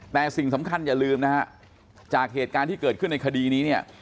แต่สิ่งสำคัญอย่าลืมนะฮะจากเหตุการณ์ที่เกิดขึ้นในคดีนี้เนี่ย